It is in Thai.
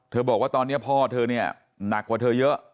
บอกว่าตอนนี้พ่อเธอเนี่ยหนักกว่าเธอเยอะ